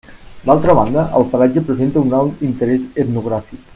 D'altra banda, el paratge presenta un alt interés etnogràfic.